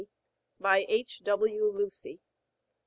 BY H. W. LUCY.